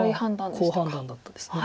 好判断だったです。